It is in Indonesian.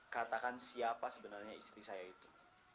katakan siapa sebenarnya istri saya itu